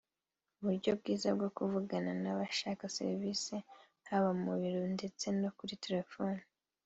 uburyo bwiza bwo kuvugana n’abashaka serivisi haba mu biro ndetse no kuri telefoni